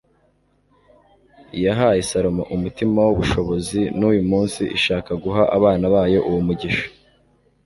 iyahaye salomo umutima w'ubushobozi n'uyu munsi ishaka guha abana bayo uwo mugisha